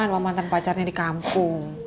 pemantan pacarnya di kampung